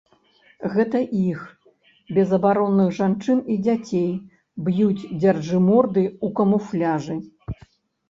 Гэта іх, безабаронных жанчын і дзяцей, б'юць дзяржыморды ў камуфляжы.